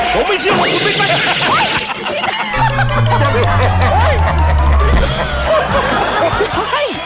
ผมไม่เชื่อของสุฟิตป้า